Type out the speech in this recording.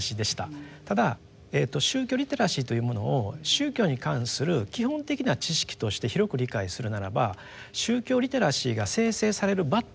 ただ宗教リテラシーというものを宗教に関する基本的な知識として広く理解するならば宗教リテラシーが生成される場っていうのはですね